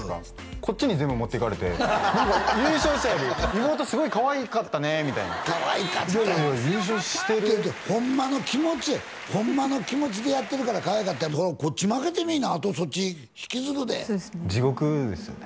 こっちに全部持っていかれて何か優勝したより妹すごいかわいかったねーみたいなかわいかったよいやいや優勝してるホンマの気持ちでやってるからかわいかったこっち負けてみいなあとそっち引きずるで地獄ですよね